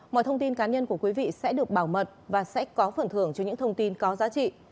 mọi thông tin cá nhân của quý vị sẽ được bảo mật và sẽ có phần thưởng cho những thông tin có giá trị